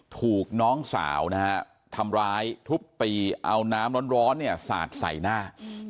ถูกน้องสาวทำร้ายทุบปีเอาน้ำร้อนนะภาพศาสตร์ใส่หน้า